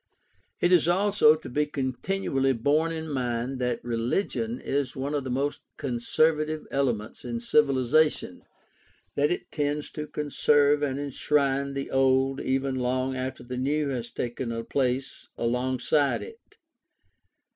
It is also to be continually borne in mind that religion is one of the most conservative elements in civilization — that it tends to conserve and enshrine the old even long after the new has taken a place alongside it.